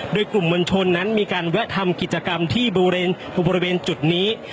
โดยกลุ่มมวลชนนั้นมีการแวะทำกิจกรรมที่บริเวณจุดนี้